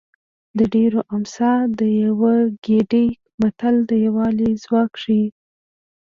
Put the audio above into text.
د ډېرو امسا د یوه ګېډۍ متل د یووالي ځواک ښيي